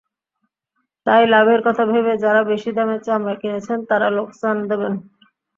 তাই লাভের কথা ভেবে যাঁরা বেশি দামে চামড়া কিনেছেন, তাঁরা লোকসান দেবেন।